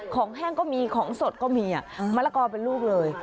แห้งก็มีของสดก็มีมะละกอเป็นลูกเลย